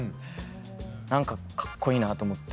何かカッコいいなと思って。